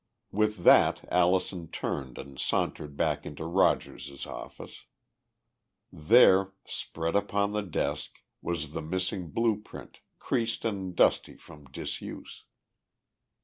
With that Allison turned and sauntered back into Rogers's office. There, spread upon the desk, was the missing blue print, creased and dusty from disuse.